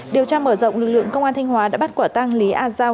điều tra mở rộng lực lượng công an thanh hóa đã bắt quả tang lý a giao